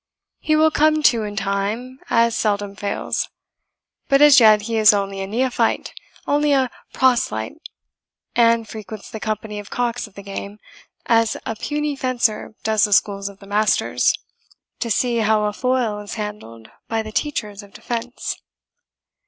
He will come to in time, as seldom fails; but as yet he is only a neophyte, only a proselyte, and frequents the company of cocks of the game, as a puny fencer does the schools of the masters, to see how a foil is handled by the teachers of defence."